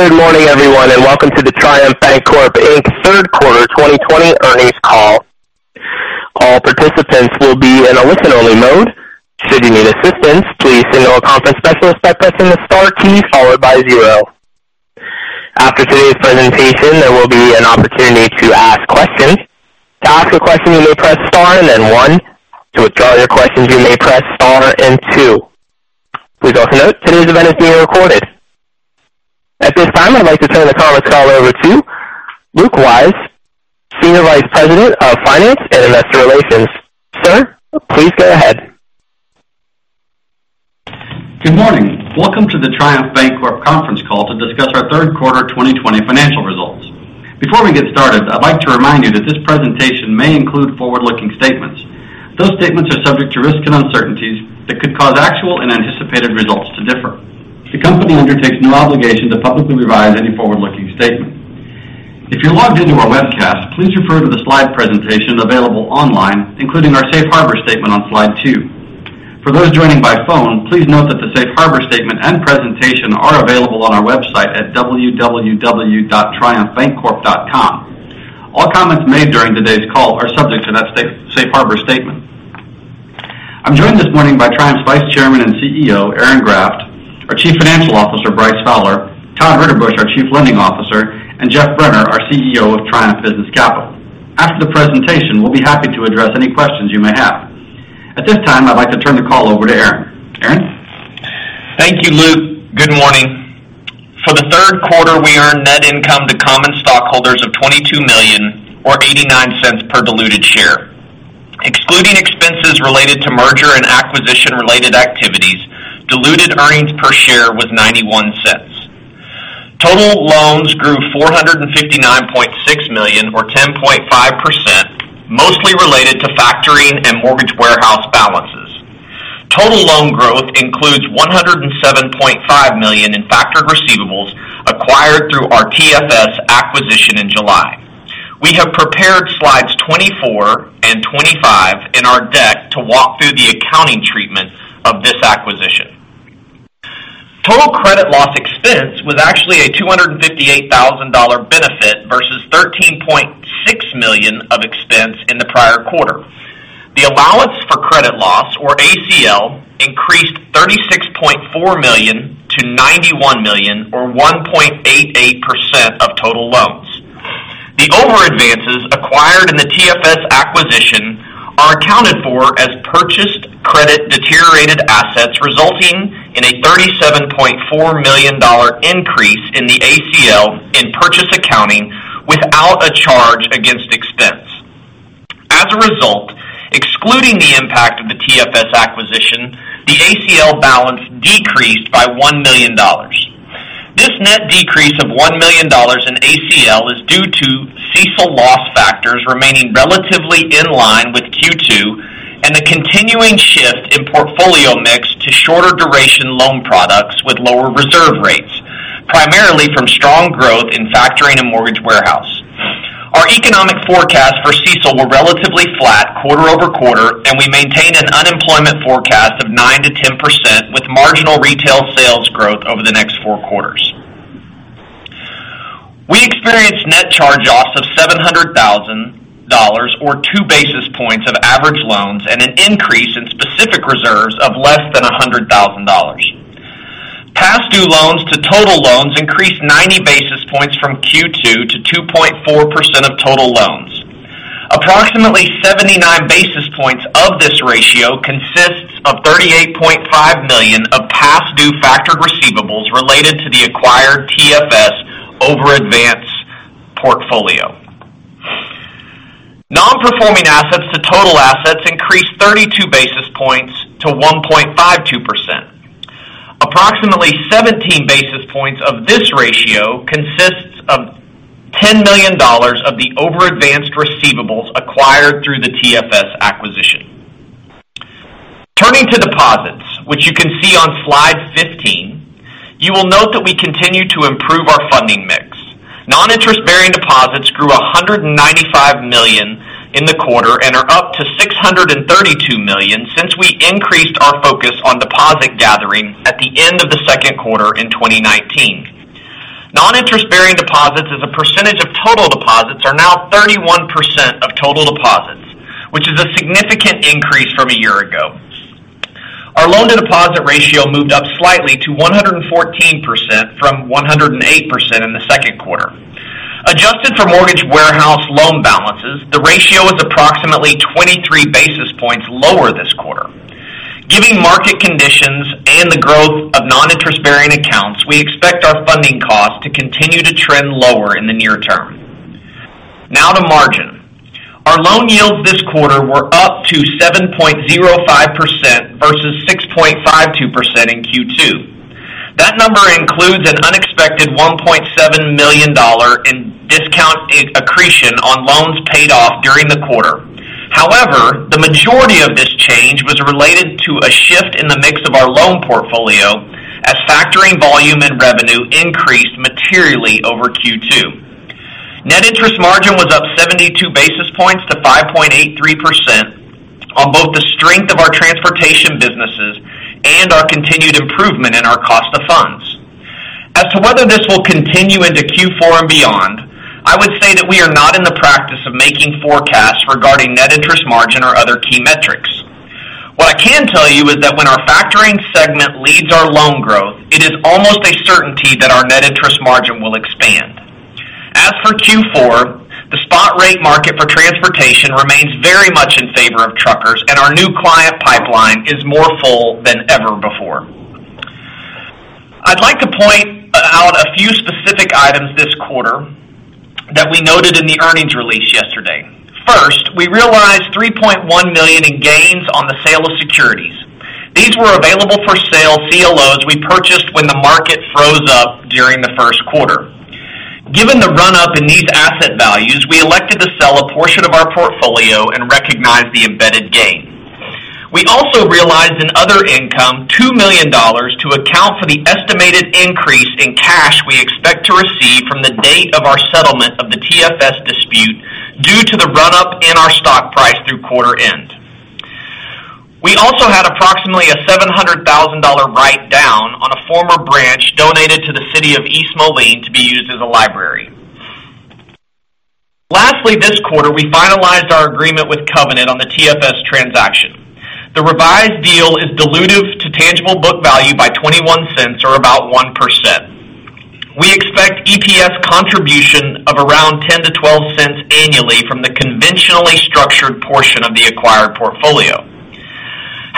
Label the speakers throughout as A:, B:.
A: Good morning, everyone, and welcome to the Triumph Bancorp Inc. Third Quarter 2020 Earnings Call. All participants will be in a listen-only mode. Should you need assistance, please signal a conference specialist by pressing the star key followed by zero. After today's presentation, there will be an opportunity to ask questions. To ask a question, you may press star and then one. To withdraw your questions, you may press star and two. Please also note today's event is being recorded. At this time, I'd like to turn the call over to Luke Wyse, Senior Vice President of Finance and Investor Relations. Sir, please go ahead.
B: Good morning. Welcome to the Triumph Bancorp conference call to discuss our third quarter 2020 financial results. Before we get started, I'd like to remind you that this presentation may include forward-looking statements. Those statements are subject to risks and uncertainties that could cause actual and anticipated results to differ. The company undertakes no obligation to publicly revise any forward-looking statement. If you're logged in to our webcast, please refer to the slide presentation available online, including our safe harbor statement on slide two. For those joining by phone, please note that the safe harbor statement and presentation are available on our website at www.triumphbancorp.com. All comments made during today's call are subject to that safe harbor statement. I'm joined this morning by Triumph's Vice Chairman and CEO, Aaron Graft, our Chief Financial Officer, Bryce Fowler, Todd Ritterbusch, our Chief Lending Officer, and Geoff Brenner, our CEO of Triumph Business Capital. After the presentation, we'll be happy to address any questions you may have. At this time, I'd like to turn the call over to Aaron. Aaron?
C: Thank you, Luke. Good morning. For the third quarter, we earned net income to common stockholders of $22 million or $0.89 per diluted share. Excluding expenses related to merger and acquisition-related activities, diluted earnings per share was $0.91. Total loans grew $459.6 million or 10.5%, mostly related to factoring and mortgage warehouse balances. Total loan growth includes $107.5 million in factored receivables acquired through our TFS acquisition in July. We have prepared slides 24 and 25 in our deck to walk through the accounting treatment of this acquisition. Total credit loss expense was actually a $258,000 benefit versus $13.6 million of expense in the prior quarter. The allowance for credit loss, or ACL, increased $36.4 million to $91 million or 1.88% of total loans. The over advances acquired in the TFS acquisition are accounted for as purchased credit deteriorated assets resulting in a $37.4 million increase in the ACL in purchase accounting without a charge against expense. As a result, excluding the impact of the TFS acquisition, the ACL balance decreased by $1 million. This net decrease of $1 million in ACL is due to CECL loss factors remaining relatively in line with Q2 and the continuing shift in portfolio mix to shorter duration loan products with lower reserve rates, primarily from strong growth in factoring and mortgage warehouse. Our economic forecasts for CECL were relatively flat quarter-over-quarter, and we maintained an unemployment forecast of 9%-10% with marginal retail sales growth over the next four quarters. We experienced net charge-offs of $700,000 or 2 basis points of average loans and an increase in specific reserves of less than $100,000. Past due loans to total loans increased 90 basis points from Q2 to 2.4% of total loans. Approximately 79 basis points of this ratio consists of $38.5 million of past due factored receivables related to the acquired TFS over advance portfolio. Non-performing assets to total assets increased 32 basis points to 1.52%. Approximately 17 basis points of this ratio consists of $10 million of the over advanced receivables acquired through the TFS acquisition. Turning to deposits, which you can see on slide 15, you will note that we continue to improve our funding mix. Non-interest-bearing deposits grew $195 million in the quarter and are up to $632 million since we increased our focus on deposit gathering at the end of the second quarter in 2019. Non-interest-bearing deposits as a percentage of total deposits are now 31% of total deposits, which is a significant increase from a year ago. Our loan-to-deposit ratio moved up slightly to 114% from 108% in the second quarter. Adjusted for mortgage warehouse loan balances, the ratio is approximately 23 basis points lower this quarter. Given market conditions and the growth of non-interest-bearing accounts, we expect our funding cost to continue to trend lower in the near term. Now to margin. Our loan yields this quarter were up to 7.05% versus 6.52% in Q2. That number includes an unexpected $1.7 million in discount accretion on loans paid off during the quarter. However, the majority of this change was related to a shift in the mix of our loan portfolio as factoring volume and revenue increased materially. Net interest margin was up 72 basis points to 5.83% on both the strength of our transportation businesses and our continued improvement in our cost of funds. As to whether this will continue into Q4 and beyond, I would say that we are not in the practice of making forecasts regarding net interest margin or other key metrics. What I can tell you is that when our factoring segment leads our loan growth, it is almost a certainty that our net interest margin will expand. As for Q4, the spot rate market for transportation remains very much in favor of truckers, and our new client pipeline is more full than ever before. I'd like to point out a few specific items this quarter that we noted in the earnings release yesterday. First, we realized $3.1 million in gains on the sale of securities. These were available for sale CLOs we purchased when the market froze up during the first quarter. Given the run-up in these asset values, we elected to sell a portion of our portfolio and recognize the embedded gain. We also realized in other income $2 million to account for the estimated increase in cash we expect to receive from the date of our settlement of the TFS dispute due to the run-up in our stock price through quarter end. We also had approximately a $700,000 write-down on a former branch donated to the City of East Moline to be used as a library. Lastly, this quarter, we finalized our agreement with Covenant on the TFS transaction. The revised deal is dilutive to tangible book value by $0.21 or about 1%. We expect EPS contribution of around $0.10-$0.12 annually from the conventionally structured portion of the acquired portfolio.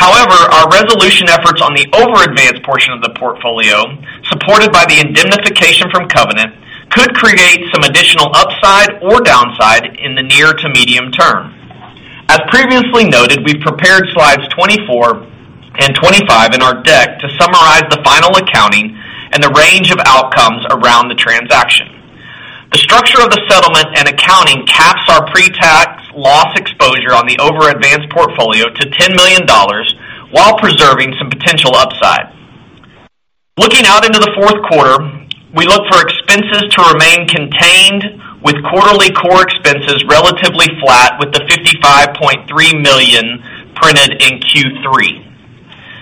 C: However, our resolution efforts on the over advanced portion of the portfolio, supported by the indemnification from Covenant, could create some additional upside or downside in the near to medium term. As previously noted, we've prepared slides 24 and 25 in our deck to summarize the final accounting and the range of outcomes around the transaction. The structure of the settlement and accounting caps our pre-tax loss exposure on the over advanced portfolio to $10 million while preserving some potential upside. Looking out into the fourth quarter, we look for expenses to remain contained with quarterly core expenses relatively flat with the $55.3 million printed in Q3.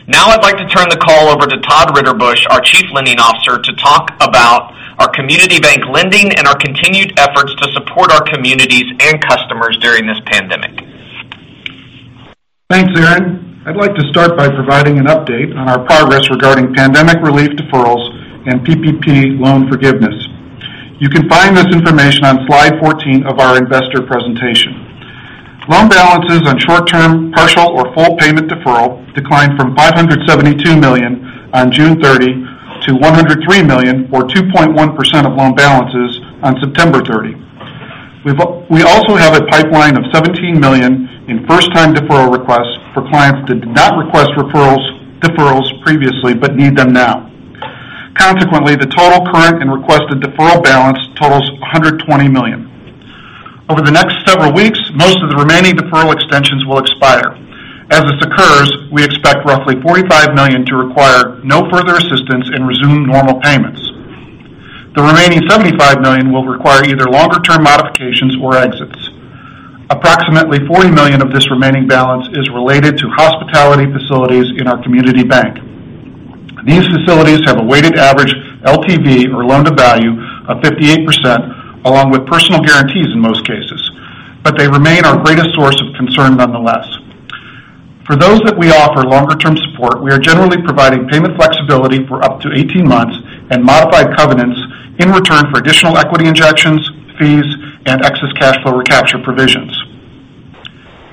C: Now I'd like to turn the call over to Todd Ritterbusch, our Chief Lending Officer, to talk about our community bank lending and our continued efforts to support our communities and customers during this pandemic.
D: Thanks, Aaron. I'd like to start by providing an update on our progress regarding pandemic relief deferrals and PPP loan forgiveness. You can find this information on slide 14 of our investor presentation. Loan balances on short-term, partial, or full payment deferral declined from $572 million on June 30 to $103 million or 2.1% of loan balances on September 30. We also have a pipeline of $17 million in first-time deferral requests for clients that did not request deferrals previously but need them now. Consequently, the total current and requested deferral balance totals $120 million. Over the next several weeks, most of the remaining deferral extensions will expire. As this occurs, we expect roughly $45 million to require no further assistance and resume normal payments. The remaining $75 million will require either longer-term modifications or exits. Approximately $40 million of this remaining balance is related to hospitality facilities in our community bank. These facilities have a weighted average LTV or Loan-To-Value of 58%, along with personal guarantees in most cases, but they remain our greatest source of concern nonetheless. For those that we offer longer-term support, we are generally providing payment flexibility for up to 18 months and modified covenants in return for additional equity injections, fees, and excess cash flow recapture provisions.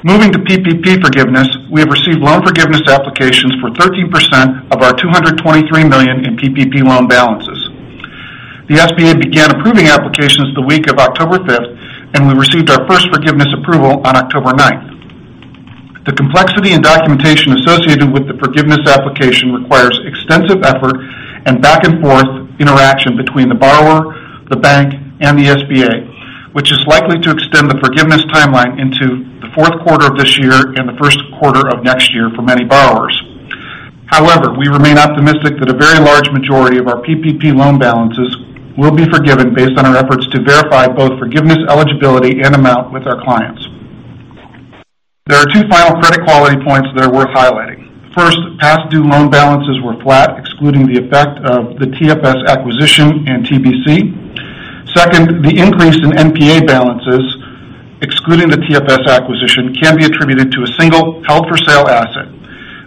D: Moving to PPP forgiveness, we have received loan forgiveness applications for 13% of our $223 million in PPP loan balances. The SBA began approving applications the week of October 5th, and we received our first forgiveness approval on October 9th. The complexity and documentation associated with the forgiveness application requires extensive effort and back-and-forth interaction between the borrower, the bank, and the SBA, which is likely to extend the forgiveness timeline into the fourth quarter of this year and the first quarter of next year for many borrowers. However, we remain optimistic that a very large majority of our PPP loan balances will be forgiven based on our efforts to verify both forgiveness eligibility and amount with our clients. There are two final credit quality points that are worth highlighting. First, past due loan balances were flat, excluding the effect of the TFS acquisition and TBC. Second, the increase in NPA balances, excluding the TFS acquisition, can be attributed to a single held-for-sale asset.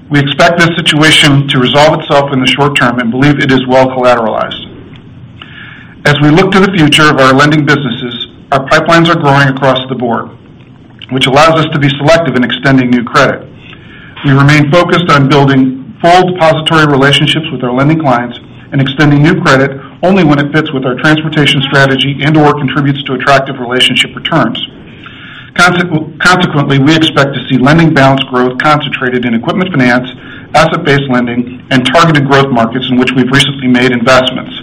D: We expect this situation to resolve itself in the short term and believe it is well collateralized. As we look to the future of our lending businesses, our pipelines are growing across the board, which allows us to be selective in extending new credit. We remain focused on building full depository relationships with our lending clients and extending new credit only when it fits with our transportation strategy and/or contributes to attractive relationship returns. Consequently, we expect to see lending balance growth concentrated in equipment finance, asset-based lending, and targeted growth markets in which we've recently made investments.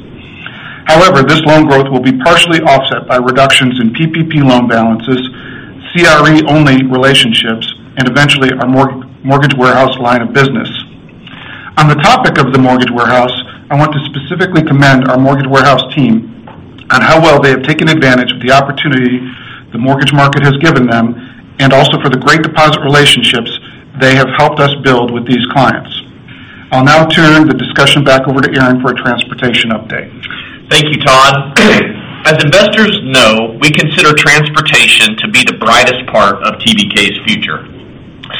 D: However, this loan growth will be partially offset by reductions in PPP loan balances, CRE-only relationships, and eventually our mortgage warehouse line of business. On the topic of The Mortgage Warehouse, I want to specifically commend our Mortgage Warehouse team on how well they have taken advantage of the opportunity the mortgage market has given them, and also for the great deposit relationships they have helped us build with these clients. I'll now turn the discussion back over to Aaron for a transportation update.
C: Thank you, Todd. As investors know, we consider transportation to be the brightest part of TBK's future.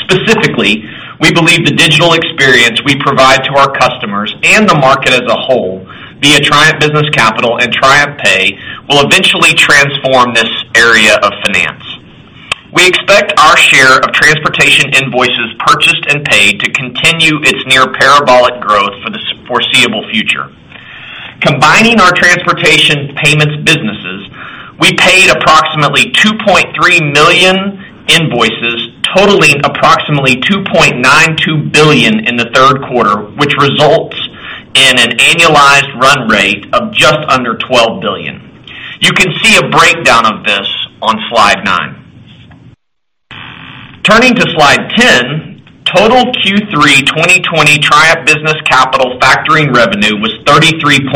C: Specifically, we believe the digital experience we provide to our customers and the market as a whole, via Triumph Business Capital and TriumphPay, will eventually transform this area of finance. We expect our share of transportation invoices purchased and paid to continue its near-parabolic growth for the foreseeable future. Combining our transportation payments businesses, we paid approximately $2.3 million invoices totaling approximately $2.92 billion in the third quarter, which results in an annualized run rate of just under $12 billion. You can see a breakdown of this on slide nine. Turning to slide 10, total Q3 2020 Triumph Business Capital factoring revenue was $33.2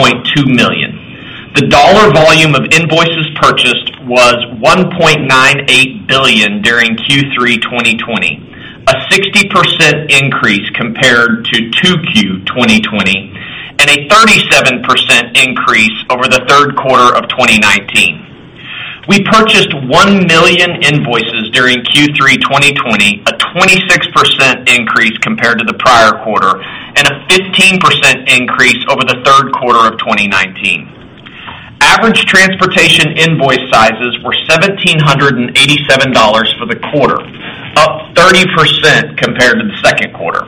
C: million. The dollar volume of invoices purchased was $1.98 billion during Q3 2020, a 60% increase compared to 2Q 2020, and a 37% increase over the third quarter of 2019. We purchased 1 million invoices during Q3 2020, a 26% increase compared to the prior quarter, and a 15% increase over the third quarter of 2019. Average transportation invoice sizes were $1,787 for the quarter, up 30% compared to the second quarter.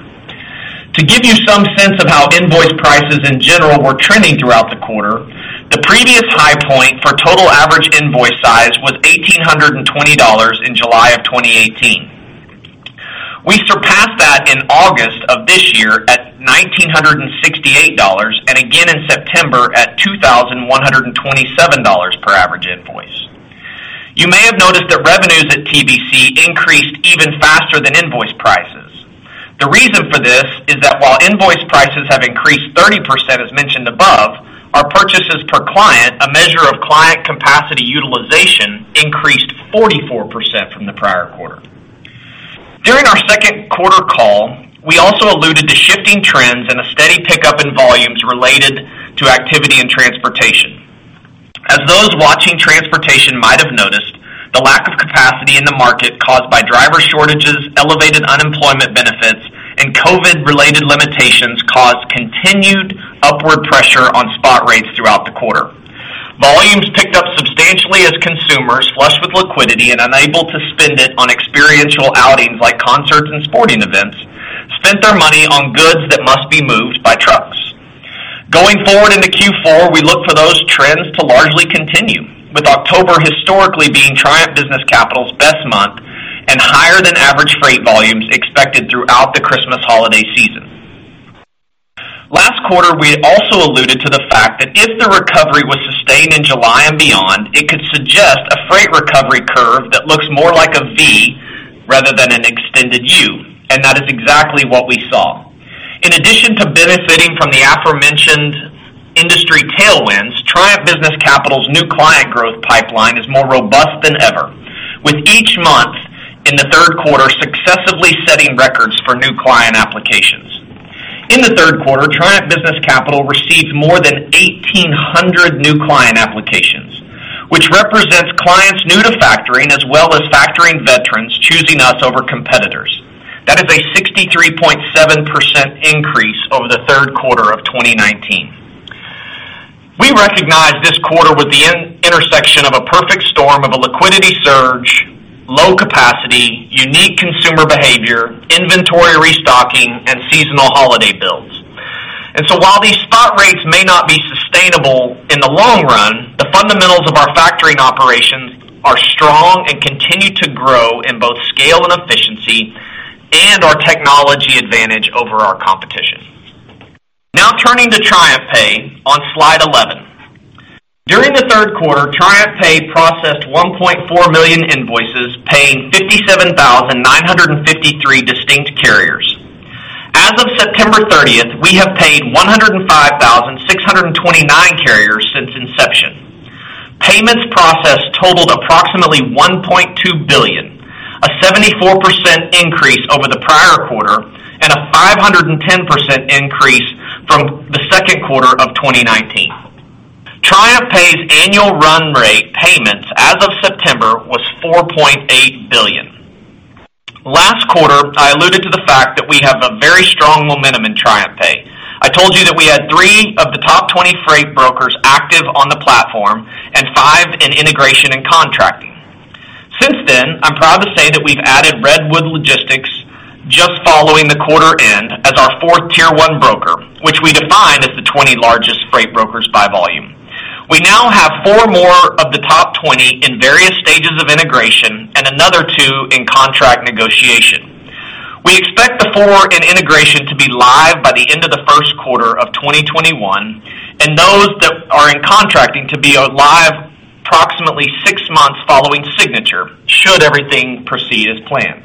C: To give you some sense of how invoice prices in general were trending throughout the quarter, the previous high point for total average invoice size was $1,820 in July of 2018. We surpassed that in August of this year at $1,968, and again in September at $2,127 per average invoice. You may have noticed that revenues at TBC increased even faster than invoice prices. The reason for this is that while invoice prices have increased 30% as mentioned above, our purchases per client, a measure of client capacity utilization, increased 44% from the prior quarter. During our second quarter call, we also alluded to shifting trends and a steady pickup in volumes related to activity and transportation. As those watching transportation might have noticed, the lack of capacity in the market caused by driver shortages, elevated unemployment benefits, and COVID-related limitations caused continued upward pressure on spot rates throughout the quarter. Volumes picked up substantially as consumers, flushed with liquidity and unable to spend it on experiential outings like concerts and sporting events, spent their money on goods that must be moved by trucks. Going forward into Q4, we look for those trends to largely continue, with October historically being Triumph Business Capital's best month, and higher than average freight volumes expected throughout the Christmas holiday season. Last quarter, we also alluded to the fact that if the recovery was sustained in July and beyond, it could suggest a freight recovery curve that looks more like a V rather than an extended U, and that is exactly what we saw. In addition to benefiting from the aforementioned industry tailwinds, Triumph Business Capital's new client growth pipeline is more robust than ever, with each month in the third quarter successively setting records for new client applications. In the third quarter, Triumph Business Capital received more than 1,800 new client applications, which represents clients new to factoring as well as factoring veterans choosing us over competitors. That is a 63.7% increase over the third quarter of 2019. We recognize this quarter was the intersection of a perfect storm of a liquidity surge, low capacity, unique consumer behavior, inventory restocking, and seasonal holiday builds. While these spot rates may not be sustainable in the long run, the fundamentals of our factoring operations are strong and continue to grow in both scale and efficiency, and our technology advantage over our competition. Now turning to TriumphPay on slide 11. During the third quarter, TriumphPay processed 1.4 million invoices, paying 57,953 distinct carriers. As of September 30th, we have paid 105,629 carriers since inception. Payments processed totaled approximately $1.2 billion, a 74% increase over the prior quarter, and a 510% increase from the second quarter of 2019. TriumphPay's annual run rate payments as of September was $4.8 billion. Last quarter, I alluded to the fact that we have a very strong momentum in TriumphPay. I told you that we had three of the top 20 freight brokers active on the platform and five in integration and contracting. Since then, I'm proud to say that we've added Redwood Logistics just following the quarter end as our fourth tier one broker, which we define as the 20 largest freight brokers by volume. We now have four more of the top 20 in various stages of integration and another two in contract negotiation. We expect the four in integration to be live by the end of the first quarter 2021, and those that are in contracting to be live approximately six months following signature, should everything proceed as planned.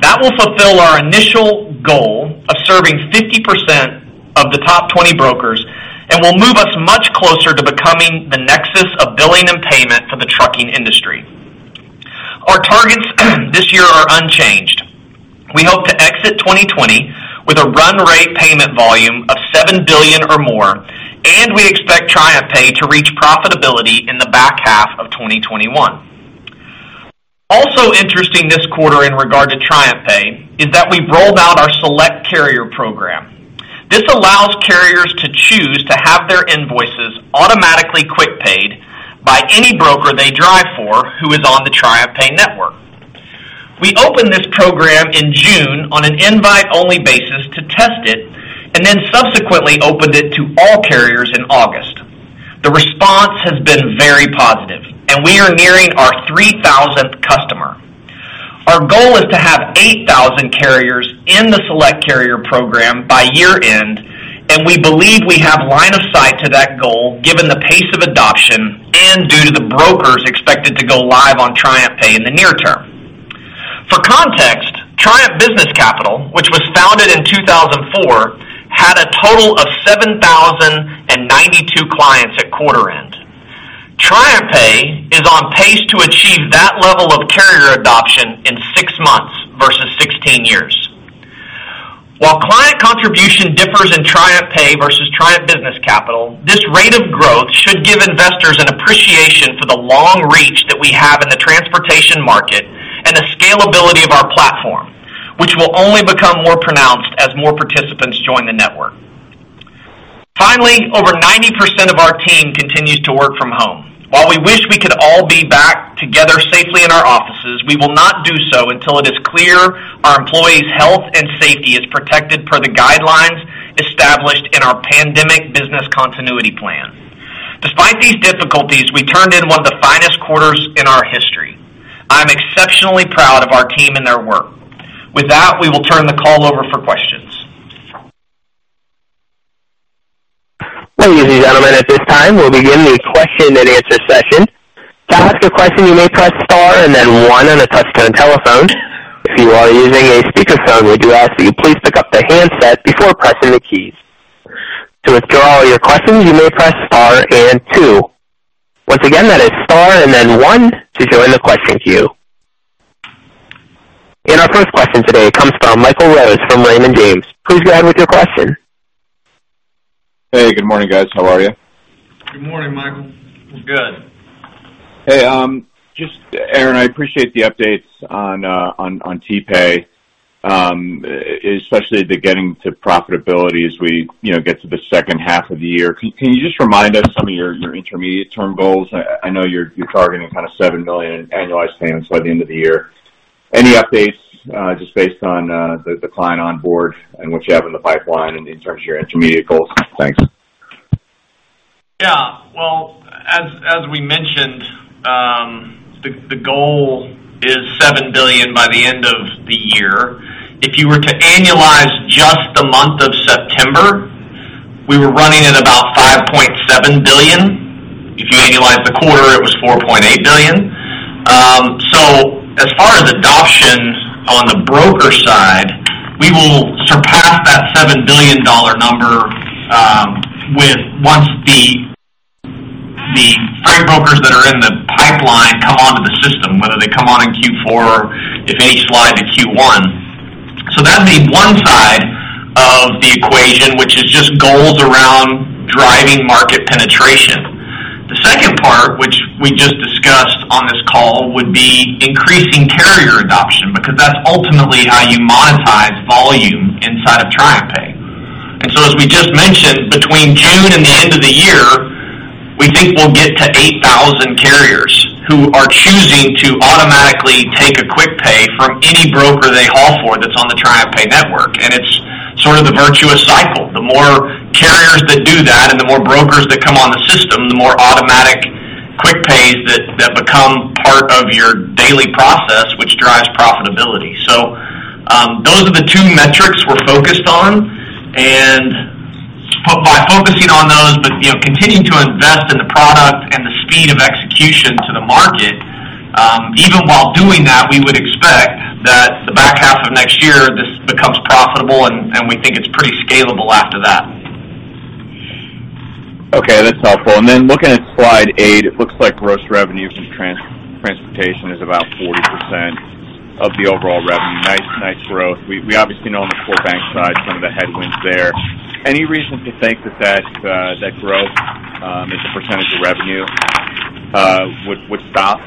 C: That will fulfill our initial goal of serving 50% of the top 20 brokers and will move us much closer to becoming the nexus of billing and payment for the trucking industry. Our targets this year are unchanged. We hope to exit 2020 with a run rate payment volume of $7 billion or more, and we expect TriumphPay to reach profitability in the back half of 2021. Also interesting this quarter in regard to TriumphPay is that we rolled out our Select Carrier Program. This allows carriers to choose to have their invoices automatically quick paid by any broker they drive for who is on the TriumphPay network. We opened this program in June on an invite-only basis to test it, and then subsequently opened it to all carriers in August. The response has been very positive, and we are nearing our 3,000th customer. Our goal is to have 8,000 carriers in the Select Carrier Program by year-end, and we believe we have line of sight to that goal given the pace of adoption and due to the brokers expected to go live on TriumphPay in the near term. For context, Triumph Business Capital, which was founded in 2004, had a total of 7,092 clients at quarter end. TriumphPay is on pace to achieve that level of carrier adoption in six months versus 16 years. While client contribution differs in TriumphPay versus Triumph Business Capital, this rate of growth should give investors an appreciation for the long reach that we have in the transportation market and the scalability of our platform, which will only become more pronounced as more participants join the network. Finally, over 90% of our team continues to work from home. While we wish we could all be back together safely in our offices, we will not do so until it is clear our employees' health and safety is protected per the guidelines established in our pandemic business continuity plan. Despite these difficulties, we turned in one of the finest quarters in our history. I'm exceptionally proud of our team and their work. With that, we will turn the call over for questions.
A: Ladies and gentlemen, at this time we'll begin the question and answer session. To ask a question you may press star and then one on the touchtone telephone. If you are using a speakerphone we would ask to please pick up the handset before pressing the key. To withdraw your question you may press star and two. Once again, that is star and then one to join the question queue. Our first question today comes from Michael Rose from Raymond James. Please go ahead with your question.
E: Hey, good morning, guys. How are you?
C: Good morning, Michael. We're good.
E: Hey, Aaron, I appreciate the updates on TriumphPay, especially the getting to profitability as we get to the second half of the year. Can you just remind us some of your intermediate term goals? I know you're targeting $7 billion in annualized payments by the end of the year. Any updates just based on the client on board and what you have in the pipeline in terms of your intermediate goals? Thanks.
C: Well, as we mentioned, the goal is $7 billion by the end of the year. If you were to annualize just the month of September, we were running at about $5.7 billion. If you annualize the quarter, it was $4.8 billion. As far as adoption on the broker side, we will surpass that $7 billion number once the freight brokers that are in the pipeline come onto the system, whether they come on in Q4, if any slide to Q1. That leave one side of the equation which is just goals around driving market penetration. The second part, which we just discussed on this call, would be increasing carrier adoption, because that's ultimately how you monetize volume inside of TriumphPay. As we just mentioned, between June and the end of the year, we think we'll get to 8,000 carriers who are choosing to automatically take a quick pay from any broker they haul for that's on the TriumphPay network. It's sort of the virtuous cycle. The more carriers that do that and the more brokers that come on the system, the more automatic quick pays that become part of your daily process, which drives profitability. Those are the two metrics we're focused on. By focusing on those but continuing to invest in the product and the speed of execution to the market, even while doing that, we would expect that the back half of next year, this becomes profitable, and we think it's pretty scalable after that.
E: Okay, that's helpful. Looking at slide eight, it looks like gross revenue from transportation is about 40% of the overall revenue. Nice growth. We obviously know on the core bank side some of the headwinds there. Any reason to think that growth as a percentage of revenue would stop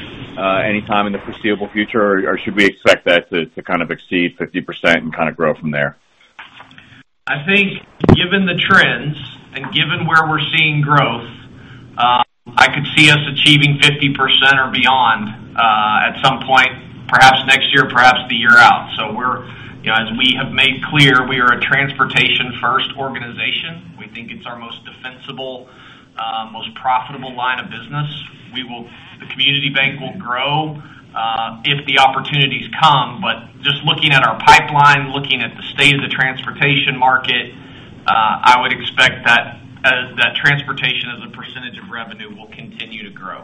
E: anytime in the foreseeable future, or should we expect that to kind of exceed 50% and grow from there?
C: I think given the trends and given where we're seeing growth, I could see us achieving 50% or beyond at some point, perhaps next year, perhaps the year out. As we have made clear, we are a transportation-first organization. We think it's our most defensible most profitable line of business. The community bank will grow if the opportunities come, but just looking at our pipeline, looking at the state of the transportation market, I would expect that transportation as a percentage of revenue will continue to grow.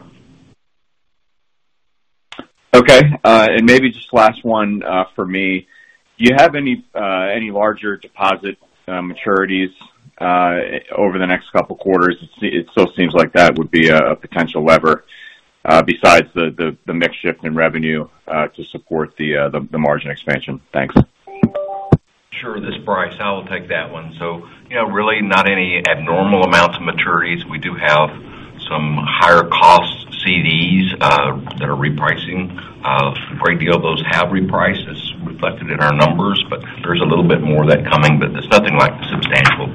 E: Okay. Maybe just last one for me. Do you have any larger deposit maturities over the next couple quarters? It still seems like that would be a potential lever besides the mix shift in revenue to support the margin expansion. Thanks.
F: Sure. This is Bryce. I will take that one. Really, not any abnormal amounts of maturities. We do have some higher cost CDs that are repricing. A great deal of those have repriced as reflected in our numbers, but there's a little bit more of that coming, but it's nothing substantial.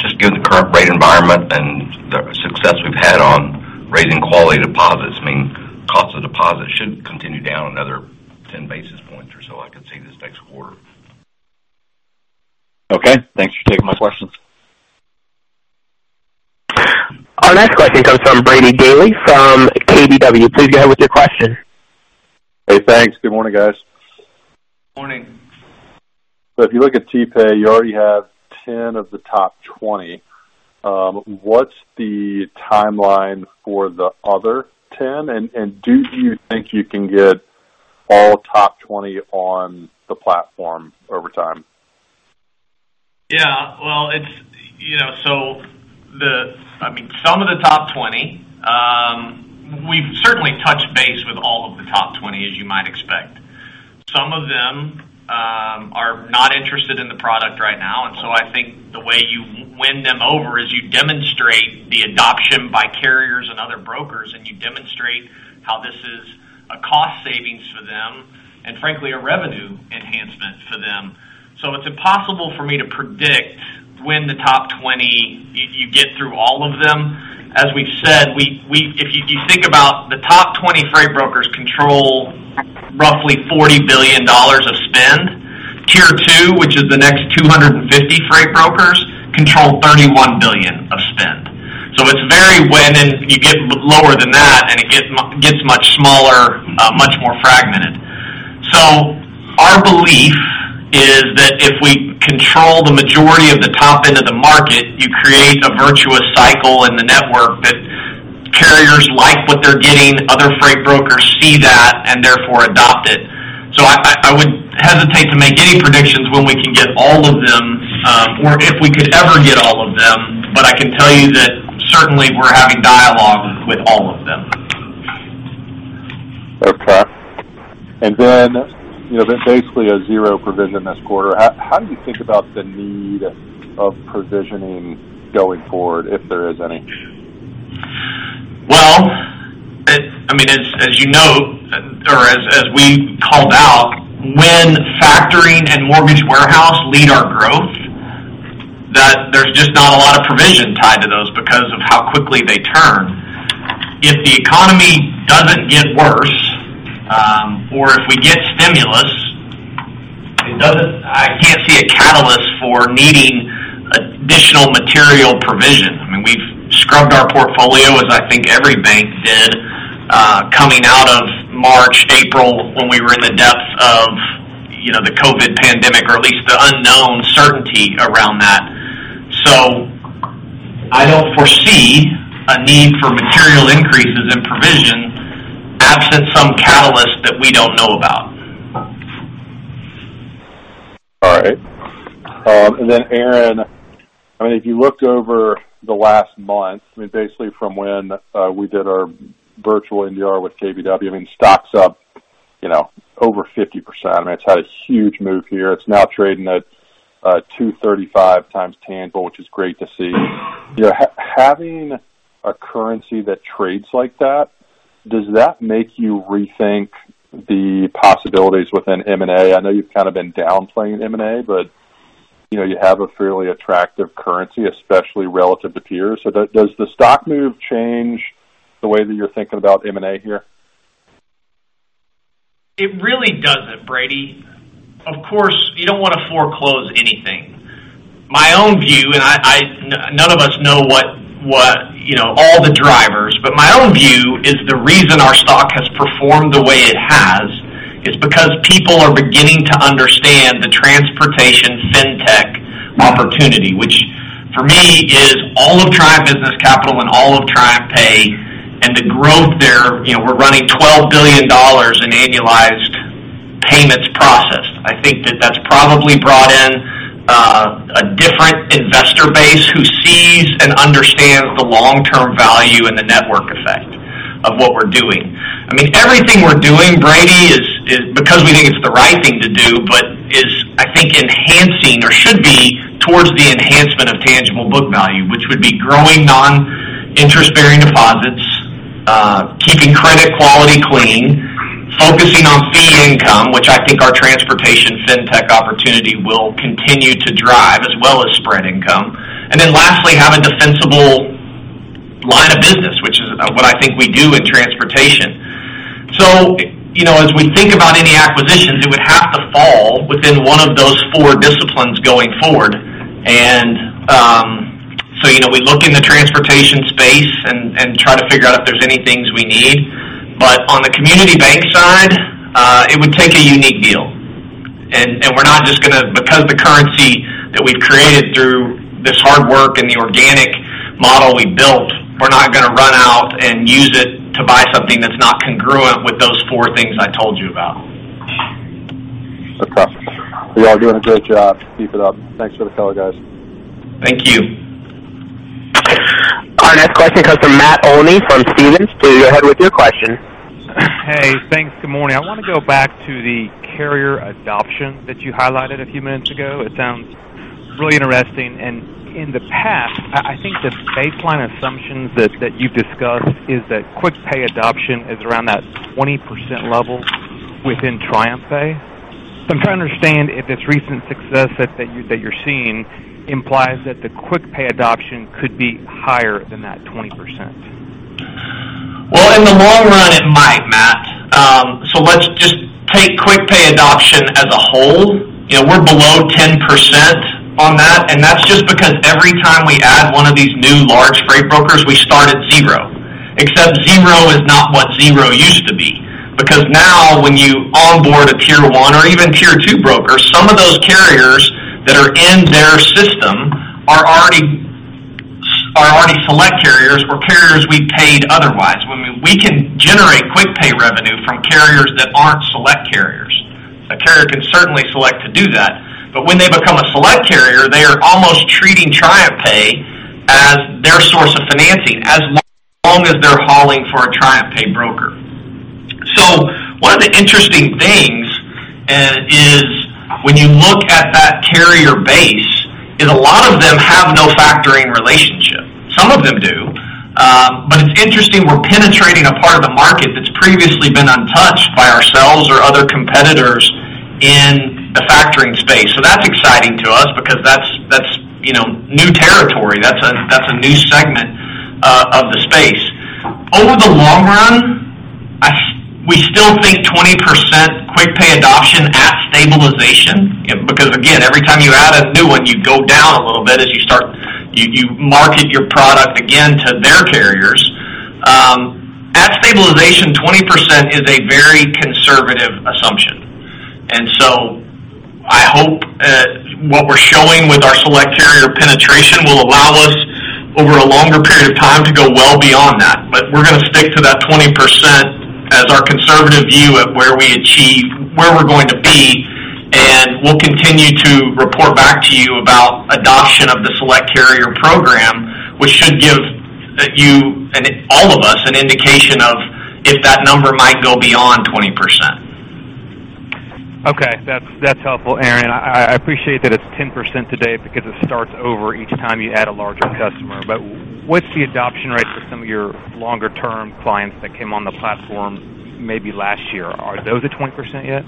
F: Just given the current rate environment and the success we've had on raising quality deposits, cost of deposit should continue down another 10 basis points or so, I could see this next quarter.
E: Okay. Thanks for taking my questions.
A: Our next question comes from Brady Gailey from KBW. Please go ahead with your question.
G: Hey, thanks. Good morning, guys.
C: Morning.
G: If you look at TriumphPay, you already have 10 of the top 20. What's the timeline for the other 10, and do you think you can get all top 20 on the platform over time?
C: Some of the top 20. We've certainly touched base with all of the top 20, as you might expect. Some of them are not interested in the product right now, and so I think the way you win them over is you demonstrate the adoption by carriers and other brokers, and you demonstrate how this is a cost savings for them, and frankly, a revenue enhancement for them. It's impossible for me to predict when the top 20, you get through all of them. As we've said, if you think about the top 20 freight brokers control roughly $40 billion of spend. Tier two, which is the next 250 freight brokers, control $31 billion of spend. It's very when you get lower than that, and it gets much smaller, much more fragmented. Our belief is that if we control the majority of the top end of the market, you create a virtuous cycle in the network that carriers like what they're getting, other freight brokers see that, and therefore adopt it. I would hesitate to make any predictions when we can get all of them, or if we could ever get all of them, but I can tell you that certainly we're having dialogues with all of them.
G: Okay. Basically a zero provision this quarter. How do you think about the need of provisioning going forward, if there is any?
C: Well, as you know, or as we called out, when factoring and mortgage warehouse lead our growth, that there's just not a lot of provision tied to those because of how quickly they turn. If the economy doesn't get worse, or if we get stimulus, I can't see a catalyst for needing additional material provision. We've scrubbed our portfolio, as I think every bank did, coming out of March, April, when we were in the depths of the COVID pandemic, or at least the unknown certainty around that. I don't foresee a need for material increases in provision absent some catalyst that we don't know about.
G: All right. Aaron, if you looked over the last month, basically from when we did our virtual NDR with KBW, stock's up over 50%. It's had a huge move here. It's now trading at 235x tangible, which is great to see. Having a currency that trades like that, does that make you rethink the possibilities within M&A? I know you've kind of been downplaying M&A, but you have a fairly attractive currency, especially relative to peers. Does the stock move change the way that you're thinking about M&A here?
C: It really doesn't, Brady. Of course, you don't want to foreclose anything. None of us know all the drivers, my own view is the reason our stock has performed the way it has is because people are beginning to understand the transportation fintech opportunity, which for me is all of Triumph Business Capital and all of TriumphPay and the growth there. We're running $12 billion in annualized payments processed. I think that that's probably brought in a different investor base who sees and understands the long-term value and the network effect of what we're doing. Everything we're doing, Brady, is because we think it's the right thing to do, is, I think, enhancing or should be towards the enhancement of tangible book value, which would be growing non-interest-bearing deposits, keeping credit quality clean, focusing on fee income, which I think our transportation fintech opportunity will continue to drive as well as spread income. Lastly, have a defensible line of business, which is what I think we do in transportation. As we think about any acquisitions, it would have to fall within one of those four disciplines going forward. We look in the transportation space and try to figure out if there's any things we need. On the community bank side, it would take a unique deal. We're not just going to, because the currency that we've created through this hard work and the organic model we built, we're not going to run out and use it to buy something that's not congruent with those four things I told you about.
G: Okay. Well, y'all doing a great job. Keep it up. Thanks for the color, guys.
C: Thank you.
A: Our next question comes from Matt Olney from Stephens. Please go ahead with your question.
H: Hey, thanks. Good morning. I want to go back to the carrier adoption that you highlighted a few minutes ago. It sounds really interesting. In the past, I think the baseline assumptions that you've discussed is that quick pay adoption is around that 20% level within TriumphPay. I'm trying to understand if this recent success that you're seeing implies that the quick pay adoption could be higher than that 20%.
C: In the long run, it might, Matt. Let's just take quick pay adoption as a whole. We're below 10% on that, and that's just because every time we add one of these new large freight brokers, we start at zero. Except zero is not what zero used to be. Now when you onboard a tier one or even tier two broker, some of those carriers that are in their system are already select carriers or carriers we've paid otherwise. We can generate quick pay revenue from carriers that aren't select carriers. A carrier can certainly select to do that. When they become a select carrier, they are almost treating TriumphPay as their source of financing, as long as they're hauling for a TriumphPay broker. One of the interesting things is when you look at that carrier base, is a lot of them have no factoring relationship. Some of them do. It's interesting, we're penetrating a part of the market that's previously been untouched by ourselves or other competitors in the factoring space. That's exciting to us because that's new territory. That's a new segment of the space. Over the long run, we still think 20% quick pay adoption at stabilization, because again, every time you add a new one, you go down a little bit as you market your product again to their carriers. At stabilization, 20% is a very conservative assumption. I hope what we're showing with our select carrier penetration will allow us over a longer period of time to go well beyond that. We're going to stick to that 20% as our conservative view of where we achieve, where we're going to be, and we'll continue to report back to you about adoption of the Select Carrier Program, which should give you and all of us an indication of if that number might go beyond 20%.
H: Okay. That's helpful, Aaron. I appreciate that it's 10% today because it starts over each time you add a larger customer. What's the adoption rate for some of your longer-term clients that came on the platform maybe last year? Are those at 20% yet?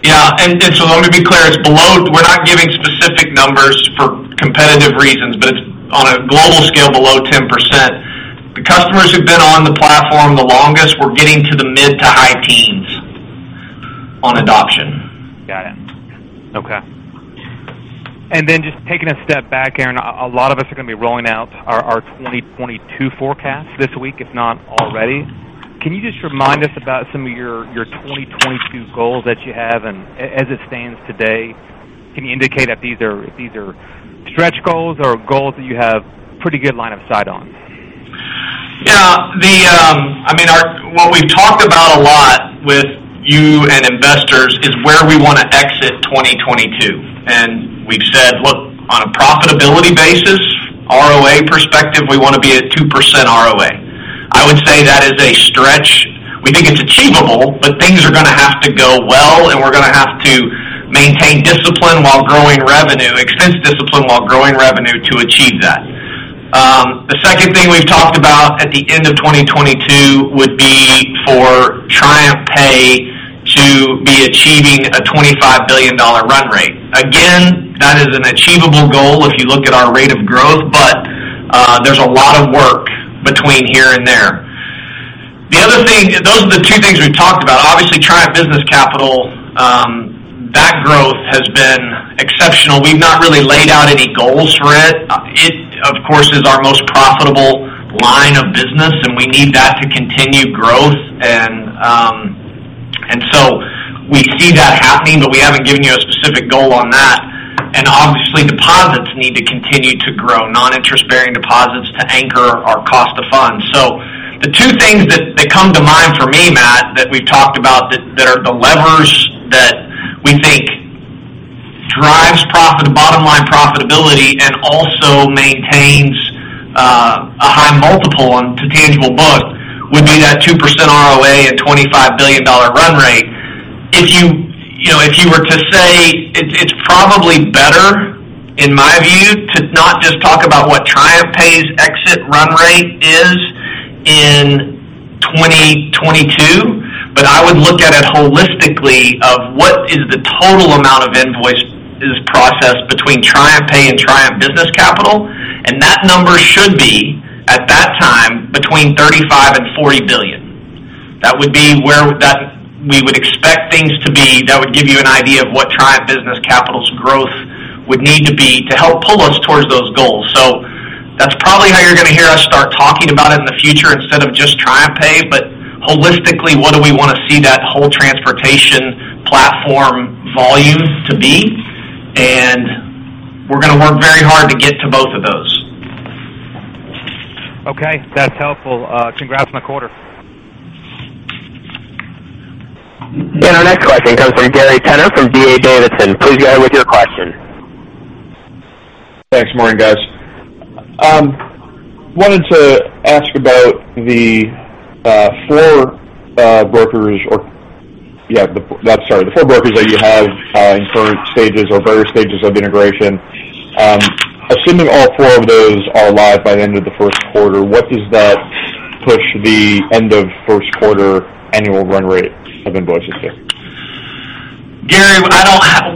C: Yeah. Let me be clear. We're not giving specific numbers for competitive reasons, but it's on a global scale below 10%. The customers who've been on the platform the longest, we're getting to the mid to high teens on adoption.
H: Got it. Okay. Then just taking a step back, Aaron, a lot of us are going to be rolling out our 2022 forecasts this week, if not already. Can you just remind us about some of your 2022 goals that you have? As it stands today, can you indicate if these are stretch goals or goals that you have pretty good line of sight on?
C: Yeah. What we've talked about a lot with you and investors is where we want to exit 2022. We've said, look, on a profitability basis, ROA perspective, we want to be at 2% ROA. I would say that is a stretch. We think it's achievable, but things are going to have to go well, and we're going to have to maintain discipline while growing revenue, extend discipline while growing revenue to achieve that. The second thing we've talked about at the end of 2022 would be for TriumphPay to be achieving a $25 billion run rate. That is an achievable goal if you look at our rate of growth, but there's a lot of work between here and there. Those are the two things we've talked about. Triumph Business Capital, that growth has been exceptional. We've not really laid out any goals for it. It, of course, is our most profitable line of business, and we need that to continue growth. We see that happening, but we haven't given you a specific goal on that. Obviously, deposits need to continue to grow, non-interest bearing deposits to anchor our cost of funds. The two things that come to mind for me, Matt, that we've talked about that are the levers that we think drives bottom line profitability and also maintains a high multiple on tangible book would be that 2% ROA at $25 billion run rate. If you were to say it's probably better, in my view, to not just talk about what TriumphPay's exit run rate is in 2022, but I would look at it holistically of what is the total amount of invoice process between TriumphPay and Triumph Business Capital, and that number should be, at that time, between $35 billion and $40 billion. That would be where we would expect things to be. That would give you an idea of what Triumph Business Capital's growth would need to be to help pull us towards those goals. That's probably how you're going to hear us start talking about it in the future instead of just TriumphPay, but holistically, what do we want to see that whole transportation platform volume to be? We're going to work very hard to get to both of those.
H: Okay, that's helpful. Congrats on the quarter.
A: Our next question comes from Gary Tenner from D.A. Davidson. Please go ahead with your question.
I: Thanks. Morning, guys. Wanted to ask about the four brokers that you have in current stages or various stages of integration. Assuming all four of those are live by the end of the first quarter, what does that push the end of first quarter annual run rate of invoices to?
C: Gary,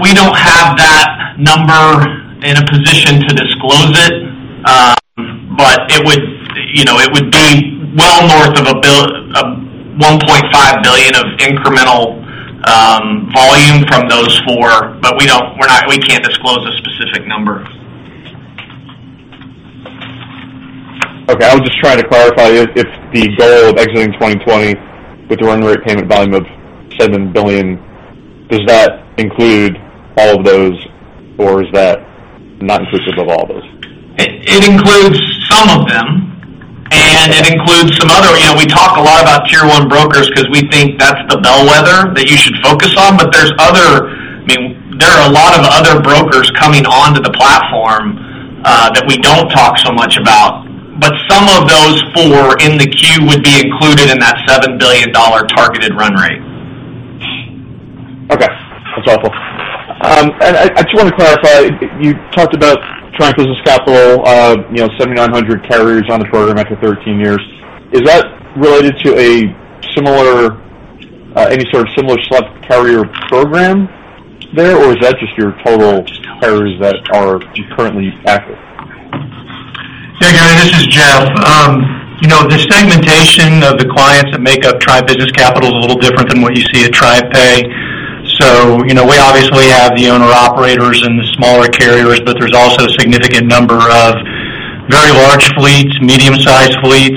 C: we don't have that number in a position to disclose it. It would be well north of $1.5 billion of incremental volume from those four, but we can't disclose a specific number.
I: Okay. I was just trying to clarify if the goal of exiting 2020 with the run rate payment volume of $7 billion, does that include all of those, or is that not inclusive of all those?
C: It includes some of them, and it includes some other. We talk a lot about tier one brokers because we think that's the bellwether that you should focus on, but there are a lot of other brokers coming onto the platform that we don't talk so much about. Some of those four in the queue would be included in that $7 billion targeted run rate.
I: Okay. That's helpful. I just want to clarify, you talked about Triumph Business Capital, 7,900 carriers on the program after 13 years. Is that related to any sort of similar select carrier program there, or is that just your total carriers that you currently active?
J: Gary, this is Geoff. The segmentation of the clients that make up Triumph Business Capital is a little different than what you see at TriumphPay. We obviously have the owner-operators and the smaller carriers, but there's also a significant number of very large fleets, medium-sized fleets,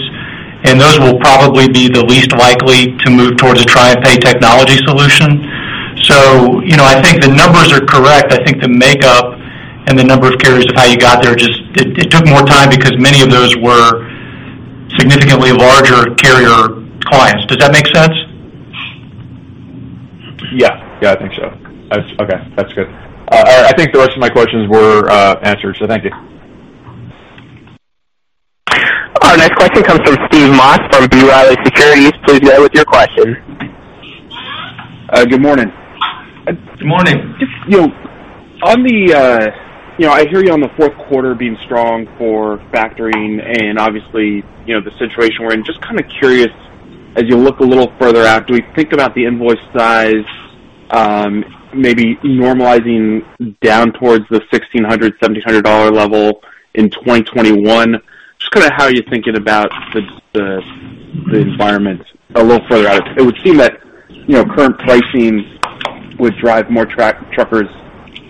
J: and those will probably be the least likely to move towards a TriumphPay technology solution. I think the numbers are correct. I think the makeup and the number of carriers of how you got there just it took more time because many of those were significantly larger carrier clients. Does that make sense?
I: Yeah. I think so. Okay. That's good. I think the rest of my questions were answered. Thank you.
A: Our next question comes from Steve Moss from B. Riley Securities. Please go ahead with your question.
K: Good morning.
C: Good morning.
K: I hear you on the fourth quarter being strong for factoring and obviously, the situation we're in. Just kind of curious, as you look a little further out, do we think about the invoice size maybe normalizing down towards the $1,600, $1,700 level in 2021? Just how are you thinking about the environment a little further out? It would seem that current pricing would drive more truckers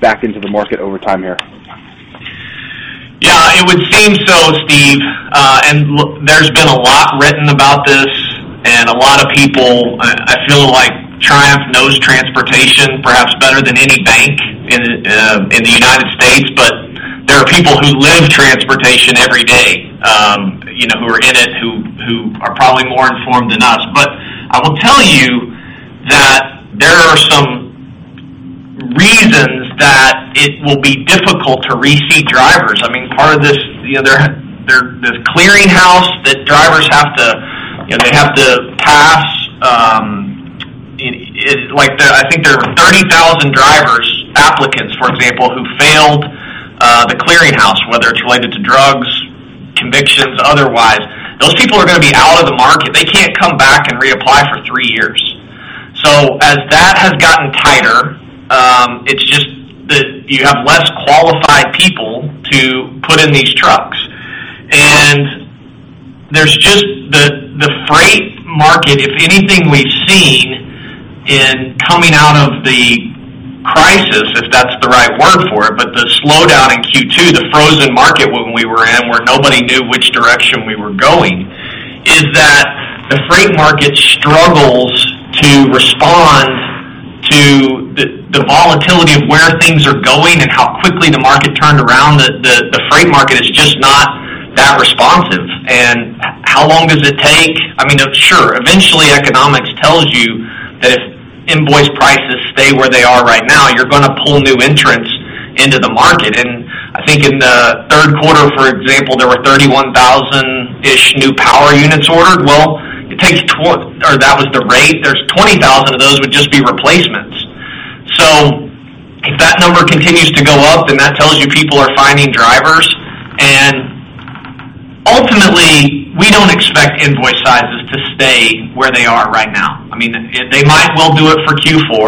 K: back into the market over time here.
C: Yeah, it would seem so, Steve. There's been a lot written about this, and a lot of people, I feel like Triumph knows transportation perhaps better than any bank in the United States, but there are people who live transportation every day, who are in it, who are probably more informed than us. I will tell you that there are some reasons that it will be difficult to reseat drivers. This Clearinghouse that drivers have to pass, I think there were 30,000 drivers, applicants, for example, who failed the Clearinghouse, whether it's related to drugs, convictions, otherwise. Those people are going to be out of the market. They can't come back and reapply for three years. As that has gotten tighter, it's just that you have less qualified people to put in these trucks. The freight market, if anything we've seen in coming out of the crisis, if that's the right word for it, but the slowdown in Q2, the frozen market when we were in, where nobody knew which direction we were going, is that the freight market struggles to respond to the volatility of where things are going and how quickly the market turned around. The freight market is just not that responsive, and how long does it take? Sure, eventually, economics tells you that if invoice prices stay where they are right now, you're going to pull new entrants into the market. I think in the third quarter, for example, there were 31,000-ish new power units ordered. Well, that was the rate. There's 20,000 of those would just be replacements. If that number continues to go up, that tells you people are finding drivers. Ultimately, we don't expect invoice sizes to stay where they are right now. They might well do it for Q4.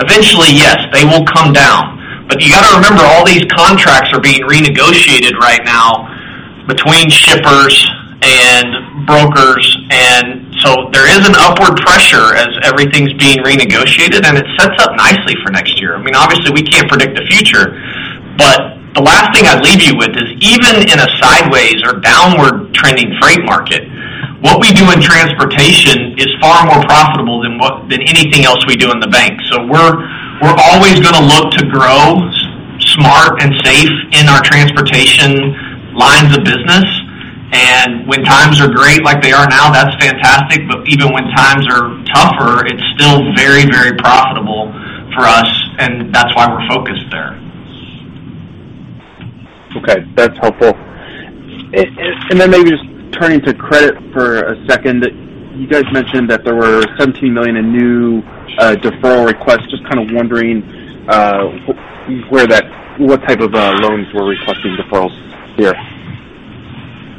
C: Eventually, yes, they will come down. You got to remember, all these contracts are being renegotiated right now between shippers and brokers. There is an upward pressure as everything's being renegotiated, and it sets up nicely for next year. Obviously, we can't predict the future, but the last thing I'd leave you with is even in a sideways or downward trending freight market, what we do in transportation is far more profitable than anything else we do in the bank. We're always going to look to grow smart and safe in our transportation lines of business. When times are great like they are now, that's fantastic. Even when times are tougher, it's still very profitable for us, and that's why we're focused there.
K: Okay. That's helpful. Maybe just turning to credit for a second. You guys mentioned that there were $17 million in new deferral requests. Just kind of wondering what type of loans we're requesting deferrals here.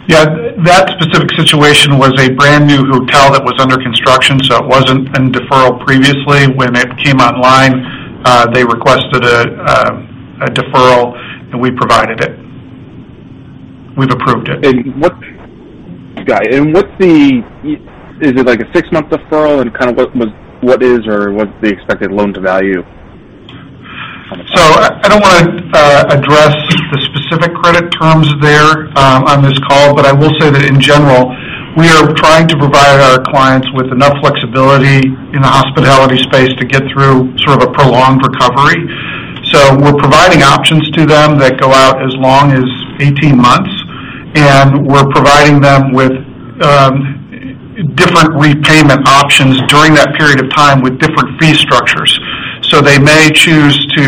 D: Yeah. That specific situation was a brand new hotel that was under construction, so it wasn't in deferral previously. When it came online, they requested a deferral, and we provided it. We've approved it.
K: Got it. Is it like a six-month deferral and kind of what's the expected Loan-To-Value?
D: I don't want to address the specific credit terms there on this call. I will say that in general, we are trying to provide our clients with enough flexibility in the hospitality space to get through sort of a prolonged recovery. We're providing options to them that go out as long as 18 months, and we're providing them with different repayment options during that period of time with different fee structures. They may choose to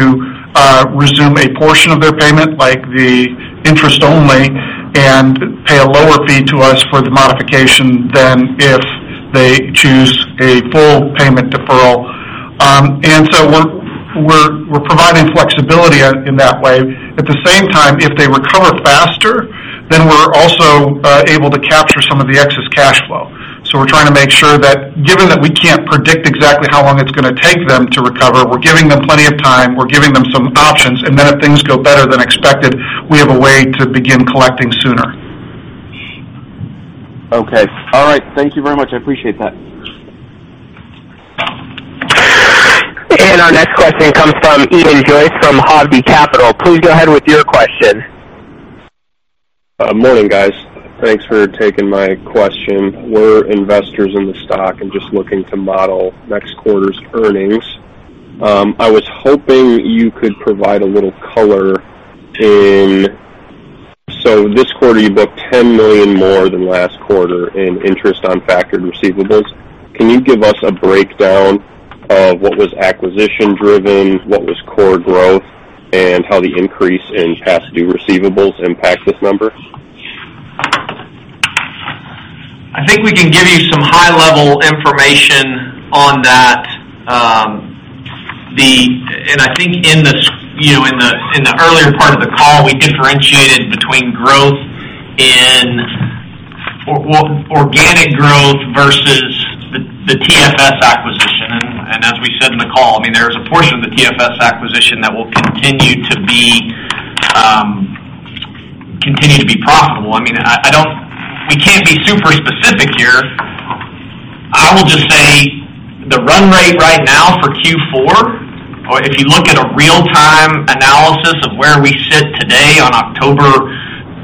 D: resume a portion of their payment, like the interest only, and pay a lower fee to us for the modification than if they choose a full payment deferral. We're providing flexibility in that way. At the same time, if they recover faster, we're also able to capture some of the excess cash flow. We're trying to make sure that given that we can't predict exactly how long it's going to take them to recover, we're giving them plenty of time. We're giving them some options, and then if things go better than expected, we have a way to begin collecting sooner.
K: Okay. All right. Thank you very much. I appreciate that.
A: Our next question comes from Eden Joyce from Hovde Capital. Please go ahead with your question.
L: Morning, guys. Thanks for taking my question. We're investors in the stock, just looking to model next quarter's earnings. I was hoping you could provide a little color. This quarter, you booked $10 million more than last quarter in interest on factored receivables. Can you give us a breakdown of what was acquisition-driven, what was core growth, how the increase in past due receivables impact this number?
C: I think we can give you some high-level information on that. I think in the earlier part of the call, we differentiated between growth, organic growth versus the TFS acquisition. As we said in the call, there is a portion of the TFS acquisition that will continue to be profitable. We can't be super specific here. I will just say the run rate right now for Q4, or if you look at a real-time analysis of where we sit today on October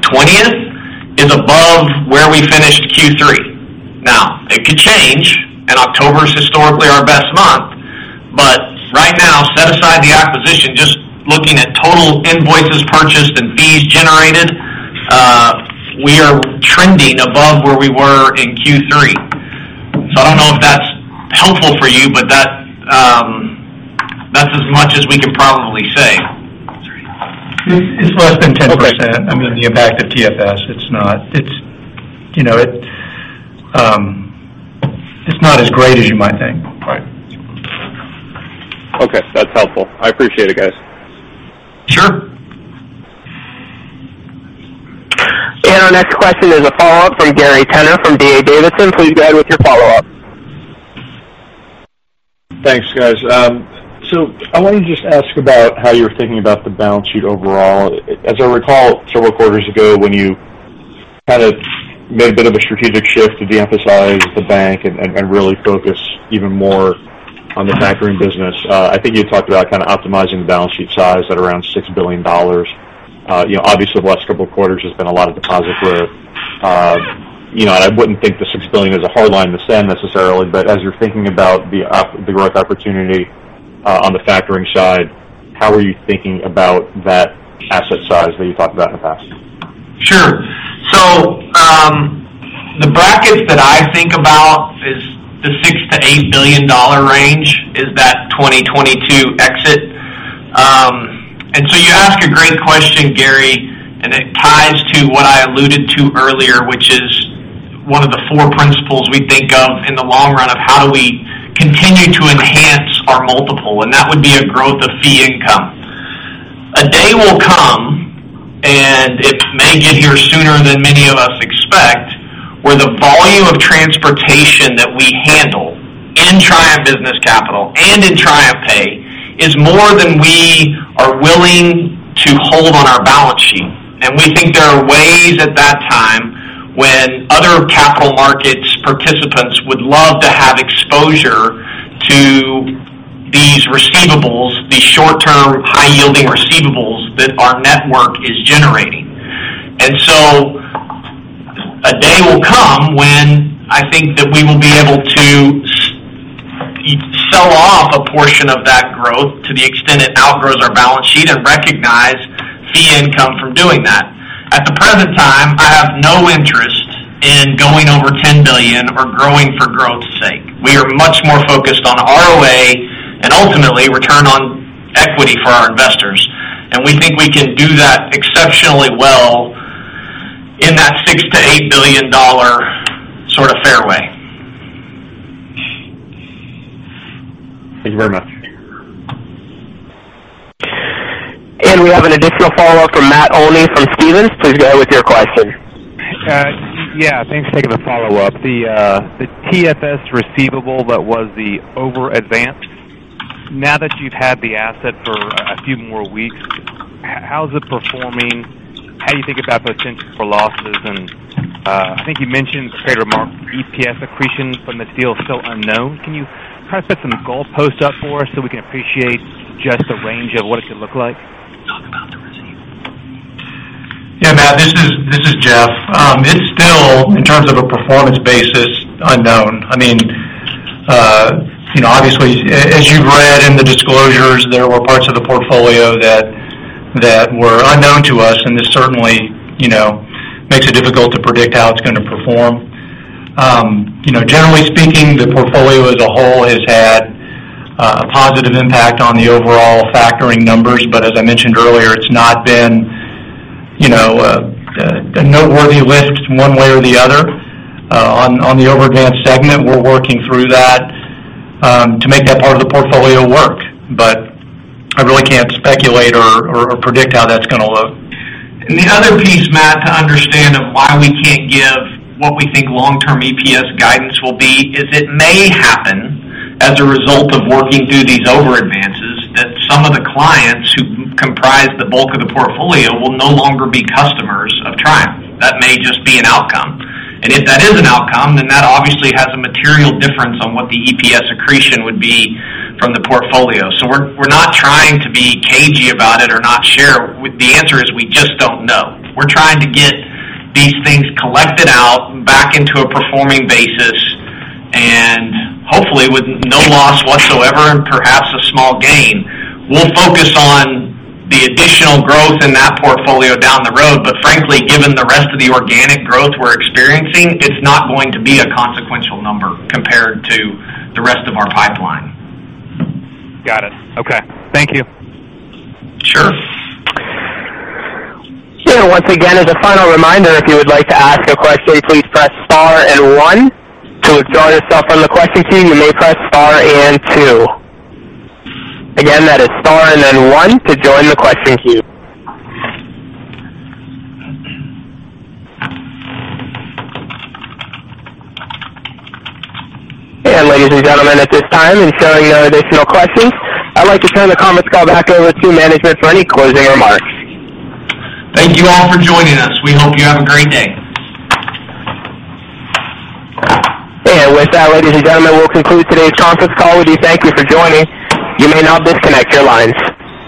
C: 20th, is above where we finished Q3. Now, it could change, and October is historically our best month. Right now, set aside the acquisition, just looking at total invoices purchased and fees generated, we are trending above where we were in Q3. I don't know if that's helpful for you, but that's as much as we can probably say.
J: It's less than 10%. When you back the TFS, it's not as great as you might think.
L: Right. Okay. That's helpful. I appreciate it, guys.
C: Sure.
A: Our next question is a follow-up from Gary Tenner from D.A. Davidson. Please go ahead with your follow-up.
I: Thanks, guys. I wanted to just ask about how you're thinking about the balance sheet overall. As I recall several quarters ago when you kind of made a bit of a strategic shift to de-emphasize the bank and really focus even more on the factoring business, I think you talked about kind of optimizing the balance sheet size at around $6 billion. Obviously, the last couple of quarters there's been a lot of deposit growth. I wouldn't think the $6 billion is a hard line in the sand necessarily, but as you're thinking about the growth opportunity on the factoring side, how are you thinking about that asset size that you talked about in the past?
C: Sure. The brackets that I think about is the $6 billion-$8 billion range is that 2022 exit. You ask a great question, Gary, and it ties to what I alluded to earlier, which is one of the four principles we think of in the long run of how do we continue to enhance our multiple, that would be a growth of fee income. A day will come, and it may get here sooner than many of us expect, where the volume of transportation that we handle in Triumph Business Capital and in TriumphPay is more than we are willing to hold on our balance sheet. We think there are ways at that time when other capital markets participants would love to have exposure to these receivables, these short-term, high-yielding receivables that our network is generating. A day will come when I think that we will be able to sell off a portion of that growth to the extent it outgrows our balance sheet and recognize fee income from doing that. At the present time, I have no interest in going over $10 billion or growing for growth's sake. We are much more focused on ROA and ultimately return on equity for our investors. We think we can do that exceptionally well in that $6 billion-$8 billion sort of fairway.
I: Thank you very much.
A: We have an additional follow-up from Matt Olney from Stephens. Please go ahead with your question.
H: Yeah. Thanks for taking the follow-up. The TFS receivable that was the overadvance. Now that you've had the asset for a few more weeks, how's it performing? How do you think about potential for losses? I think you mentioned, in prepared remarks, EPS accretion from this deal is still unknown. Can you kind of set some goalposts up for us so we can appreciate just the range of what it could look like?
J: Yeah, Matt, this is Geoff. It's still, in terms of a performance basis, unknown. Obviously, as you've read in the disclosures, there were parts of the portfolio that were unknown to us, and this certainly makes it difficult to predict how it's going to perform. Generally speaking, the portfolio as a whole has had a positive impact on the overall factoring numbers. As I mentioned earlier, it's not been a noteworthy lift one way or the other. On the overadvance segment, we're working through that to make that part of the portfolio work. I really can't speculate or predict how that's going to look. The other piece, Matt, to understand of why we can't give what we think long-term EPS guidance will be is it may happen as a result of working through these overadvances that some of the clients who comprise the bulk of the portfolio will no longer be customers of Triumph. That may just be an outcome. If that is an outcome, then that obviously has a material difference on what the EPS accretion would be from the portfolio. We're not trying to be cagey about it or not share. The answer is we just don't know. We're trying to get these things collected out, back into a performing basis, and hopefully with no loss whatsoever and perhaps a small gain. We'll focus on the additional growth in that portfolio down the road. Frankly, given the rest of the organic growth we're experiencing, it's not going to be a consequential number compared to the rest of our pipeline.
H: Got it. Okay. Thank you.
C: Sure.
A: Once again, as a final reminder, if you would like to ask a question, please press star and one. To withdraw yourself from the question queue, you may press star and two. Again, that is star and then one to join the question queue. Ladies and gentlemen, at this time, and showing no additional questions, I'd like to turn the conference call back over to management for any closing remarks.
C: Thank you all for joining us. We hope you have a great day.
A: With that, ladies and gentlemen, we'll conclude today's conference call. We do thank you for joining. You may now disconnect your lines.